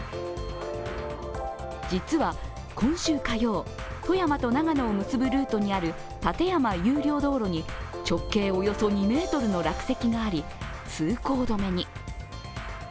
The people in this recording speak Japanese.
実は今週火曜、富山と長野を結ぶルートにある立山有料道路に直系およそ２ｍの落石があり、通行止めに。